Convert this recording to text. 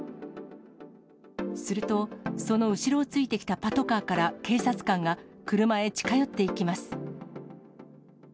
すると、その後ろをついてきたパトカーから警察官が、車へ近寄っていきます。